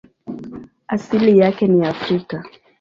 Asili yake ni Afrika.